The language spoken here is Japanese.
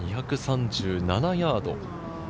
２３７ヤード。